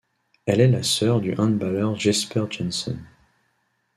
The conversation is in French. Elle est la sœur du handballeur Jesper Jensen.